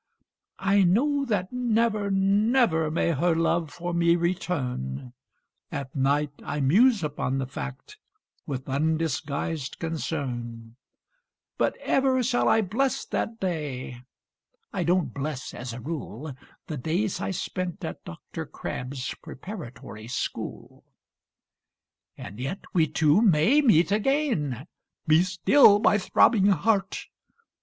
I know that never, never may her love for me return At night I muse upon the fact with undisguised concern But ever shall I bless that day! I don't bless, as a rule, The days I spent at "Dr. Crabb's Preparatory School." And yet we two may meet again, (Be still, my throbbing heart!)